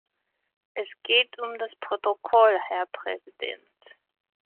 Es geht um das Protokoll, Herr Präsident.